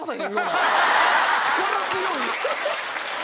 力強い。